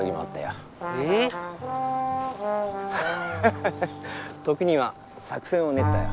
ハハハときには作戦をねったよ。